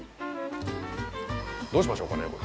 どうしましょうかねこれ。